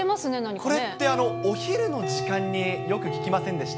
これって、お昼の時間によく聞きませんでした？